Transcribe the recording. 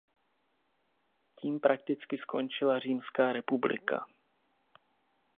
Tím prakticky skončila "římská republika".